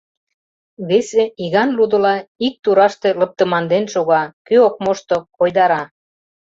Весе иган лудыла ик тураште лыптыманден шога, кӧ ок мошто — койдара.